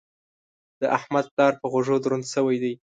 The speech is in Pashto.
د احمد پلار په غوږو دروند شوی دی.